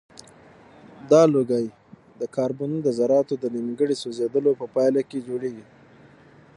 دا لوګی د کاربن د ذراتو د نیمګړي سوځیدلو په پایله کې جوړیږي.